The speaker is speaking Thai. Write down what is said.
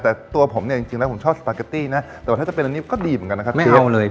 แต่ตัวผมเนี่ยจริงแล้วผมชอบสปาเกอตตี้นะ